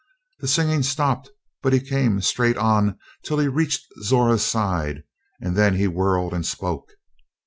The singing stopped but he came straight on till he reached Zora's side and then he whirled and spoke.